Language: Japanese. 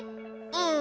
うん。